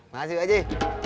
masih pak aji